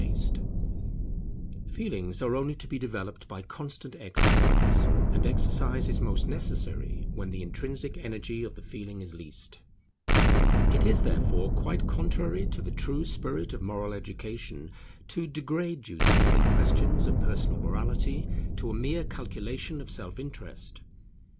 [Personal virtues placed upon a social basis] Feelings are only to be developed by constant exercise; and exercise is most necessary when the intrinsic energy of the feeling is least. It is therefore quite contrary to the true spirit of moral education to degrade duty in questions of personal morality to a mere calculation of self interest.